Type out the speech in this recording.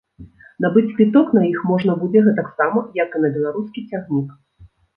Набыць квіток на іх можна будзе гэтаксама, як і на беларускі цягнік.